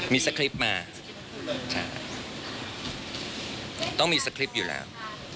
มีสคริปต์มาใช่ต้องมีสคริปต์อยู่แล้ว